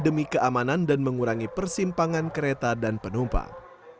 demi keamanan dan mengurangi persimpangan kereta dan penumpang